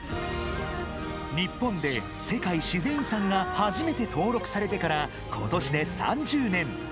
日本で世界自然遺産が初めて登録されてから、今年で３０年。